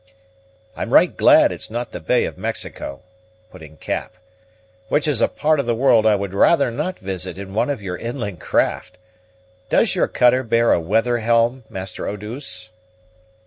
"I'm right glad it's not the Bay of Mexico," put in Cap, "which is a part of the world I would rather not visit in one of your inland craft. Does your cutter bear a weather helm, master Eau douce?"